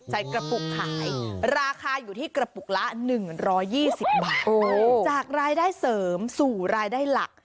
ใส่กระปุกขายราคาอยู่ที่กระปุกล้าหนึ่งร้อยยี่สิบบาทโอ้จากรายได้เสริมสู่รายได้หลัก